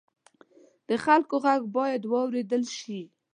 د خلکو غږ باید واورېدل شي.